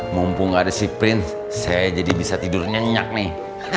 mumpung gak ada si prince saya jadi bisa tidur nyenyak nih